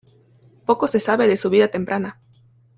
Poco se sabe de su vida temprana.